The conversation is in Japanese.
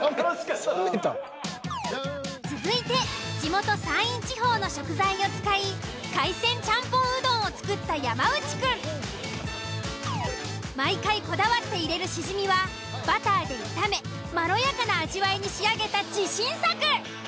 続いて地元山陰地方の食材を使い海鮮ちゃんぽんうどんを作った山内くん。毎回こだわって入れるシジミはバターで炒めまろやかな味わいに仕上げた自信作！